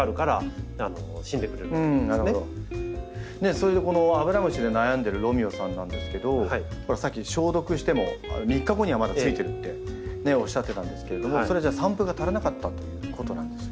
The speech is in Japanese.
それでこのアブラムシで悩んでるロミオさんなんですけどさっき消毒しても３日後にはまたついてるっておっしゃってたんですけれどもそれはじゃあ散布が足らなかったということなんですか？